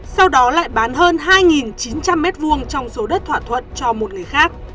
sau đó lại bán hơn hai chín trăm linh m hai trong số đất thỏa thuận cho một người khác